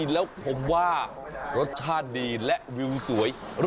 แล้วผมว่ารสชาติดีและวิวสวย